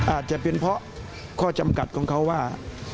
อาจจะเป็นเพราะข้อจำกัดของเขาว่า